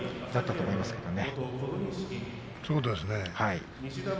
そうですね。